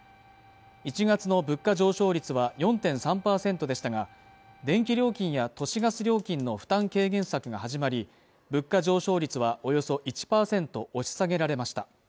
１月の物価上昇率は４．３％でしたが、電気料金や都市ガス料金の負担軽減策が始まり、物価上昇率は、およそ１％押し下げられました。